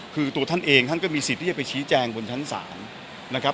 คือตัวท่านเองท่านก็มีสิทธิ์ที่จะไปชี้แจงบนชั้นศาลนะครับ